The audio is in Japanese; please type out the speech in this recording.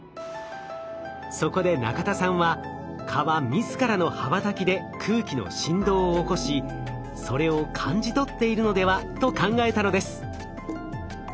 そこで中田さんは蚊は自らの羽ばたきで空気の振動を起こしそれを感じ取っているのではと考えたのです。